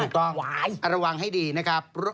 ถูกต้องระวังให้ดีนะครับ